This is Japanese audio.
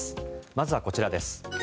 まずはこちらです。